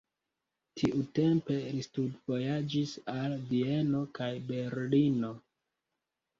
Tiutempe li studvojaĝis al Vieno kaj Berlino.